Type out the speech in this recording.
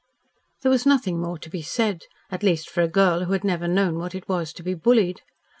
There was nothing more to be said, at least for a girl who had never known what it was to be bullied.